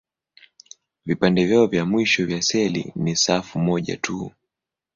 Vipande vyao vya mwisho vya seli ni safu moja tu.